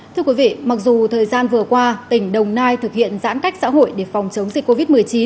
thưa quý vị mặc dù thời gian vừa qua tỉnh đồng nai thực hiện giãn cách xã hội để phòng chống dịch covid một mươi chín